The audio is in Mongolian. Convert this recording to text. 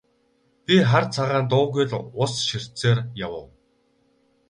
Би хар цагаан дуугүй ус ширтсээр явав.